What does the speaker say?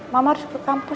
mama harus pergi kampus